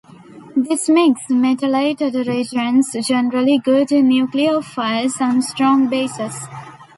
This makes metallated reagents generally good nucleophiles, and strong bases.